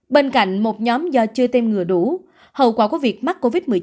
bên cạnh một nhóm do chưa tiêm ngừa đủ hậu quả của việc mắc covid một mươi chín